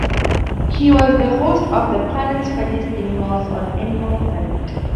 He was the host of "The Planet's Funniest Animals" on Animal Planet.